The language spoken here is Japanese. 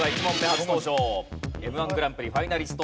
初登場Ｍ−１グランプリファイナリスト